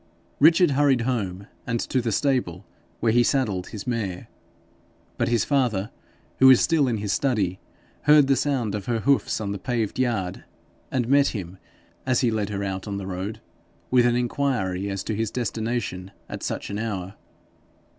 Richard hurried home, and to the stable, where he saddled his mare. But his father, who was still in his study, heard the sound of her hoofs in the paved yard, and met him as he led her out on the road, with an inquiry as to his destination at such an hour.